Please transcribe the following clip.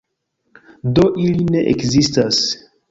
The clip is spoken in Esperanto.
Do ili ne ekzistas.